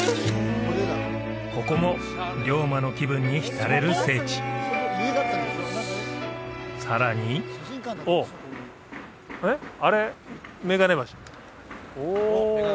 ここも龍馬の気分に浸れる聖地さらにえっあれ眼鏡橋？